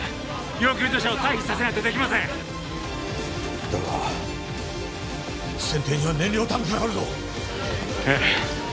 要救助者を退避させないとできませんだが船底には燃料タンクがあるぞええ